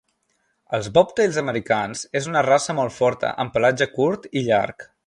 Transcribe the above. Els Bobtails americans és una raça molt forta, amb pelatge curt i llarg.